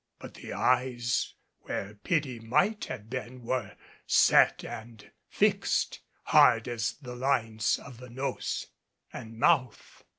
But the eyes where pity might have been were set and fixed; hard as the lines of the nose and mouth.